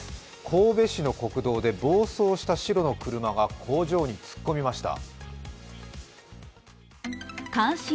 神戸市の国道で暴走した車が工場に突っ込みました。